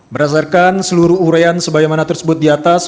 berdasarkan seluruh urean sebagaimana tersebut di atas